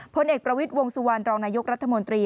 พลเอกประวิทย์วงสุวรรณรองนายกรัฐมนตรี